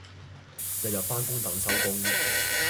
日日返工等收工